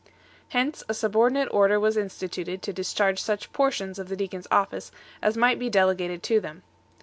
Hence a subordi nate order was instituted to discharge such portions of the Deacons office as might be delegated to them.